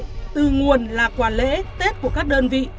từ nguồn là quà lễ tết của các đơn vị